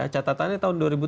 catatannya tahun dua ribu tiga